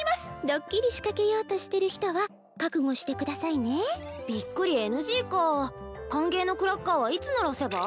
ドッキリ仕掛けようとしてる人は覚悟してくださいねびっくりＮＧか歓迎のクラッカーはいつ鳴らせば？